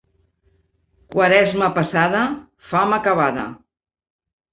Quaresma passada, fam acabada.